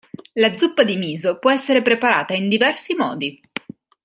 La zuppa di miso può essere preparata in diversi modi.